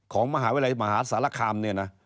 ของมหาวิทยาลัยมหาศาลคาม